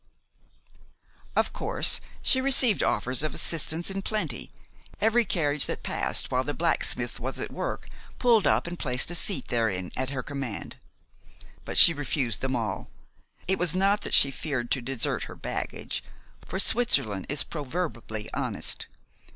Of course, she received offers of assistance in plenty. Every carriage that passed while the blacksmith was at work pulled up and placed a seat therein at her command. But she refused them all. It was not that she feared to desert her baggage, for Switzerland is proverbially honest.